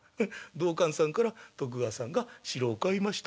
道灌さんから徳川さんが城を買いました。